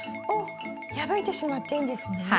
おっ破いてしまっていいんですね。